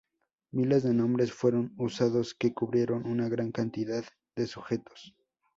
Miles de nombres fueron usados que cubrieron una gran cantidad de sujetos.